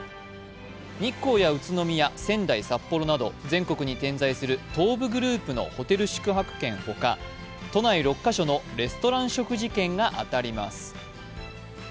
日光や宇都宮、仙台、札幌など全国に点在する東武グループのホテル宿泊券ほか都内６カ所のレストラン食事券が当たります。